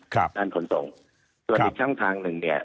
ครับด้านค้นส่งครับตัวอีกทางทางหนึ่งเนี่ย